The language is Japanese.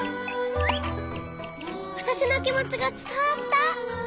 わたしのきもちがつたわった！